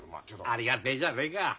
ありがてえじゃねえか。